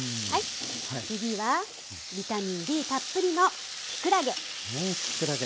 次はビタミンＤたっぷりのきくらげ。